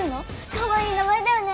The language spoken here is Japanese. かわいい名前だよね。